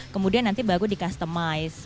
kemudian nanti baru di customize